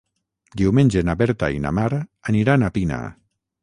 Diumenge na Berta i na Mar aniran a Pina.